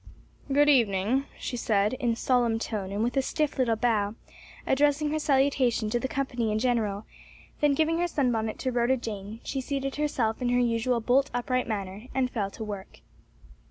"Good evening," she said, in solemn tone and with a stiff little bow, addressing her salutation to the company in general; then giving her sunbonnet to Rhoda Jane, she seated herself in her usual bolt upright manner and fell to work.